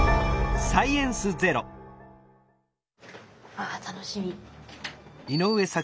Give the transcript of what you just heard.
あ楽しみ。